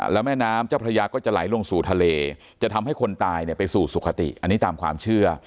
แล้วแม่น้ำเจ้าพระยาก็จะไหลลงสู่ทะเลจะทำให้คนตายไปสู่สุขติอันนี้ตามความเชื่อ